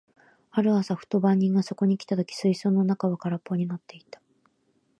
ある朝、ふと番人がそこに来た時、水槽の中は空っぽになっていた。